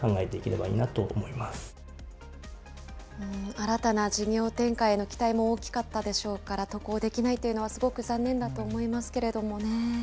新たな事業展開への期待も大きかったでしょうから、渡航できないというのはすごく残念だと思いますけどね。